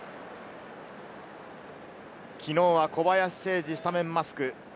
昨日は小林誠司、スタメンマスク。